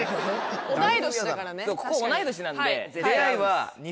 ここ同い年なんで。